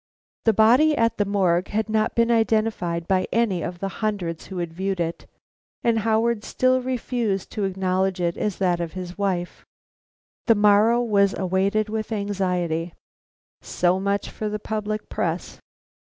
The body at the Morgue had not been identified by any of the hundreds who had viewed it, and Howard still refused to acknowledge it as that of his wife. The morrow was awaited with anxiety. So much for the public press!